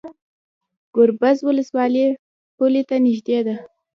ګربز ولسوالۍ پولې ته نږدې ده؟